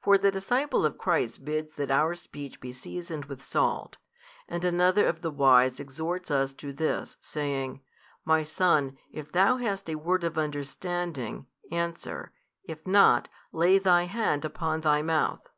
For the disciple of Christ bids that our speech be seasoned with salt: and another of the wise exhorts us to this, saying, My son, if thou hast a word of understanding, answer, if not, lay thy hand upon thy mouth.